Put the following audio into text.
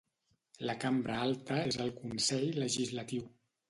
La cambra alta és el Consell Legislatiu.